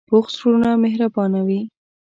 پوخ زړونه مهربانه وي